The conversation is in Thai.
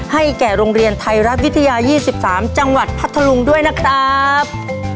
แก่โรงเรียนไทยรัฐวิทยา๒๓จังหวัดพัทธลุงด้วยนะครับ